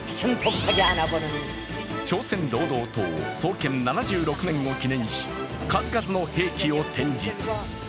朝鮮労働党創建７６年を記念し、数々の兵器を展示。